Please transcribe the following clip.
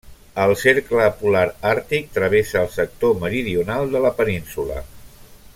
El cercle polar àrtic travessa el sector meridional de la península.